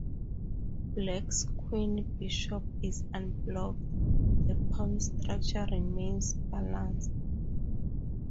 Black's queen bishop is unblocked; the pawn structure remains balanced.